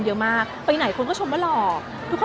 ยิ่งแก่ยิ่งดูดี